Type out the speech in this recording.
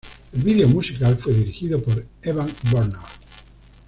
El video musical fue dirigido por Evan Bernard.